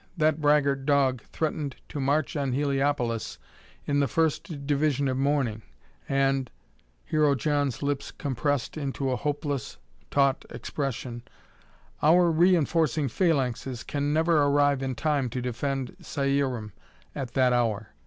That braggart dog threatened to march on Heliopolis in the first division of morning, and," Hero John's lips compressed into a hopeless, taut expression "our reinforcing phalanxes can never arrive in time to defend Cierum at that hour.